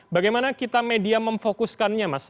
bagaimana kita media memfokuskannya mas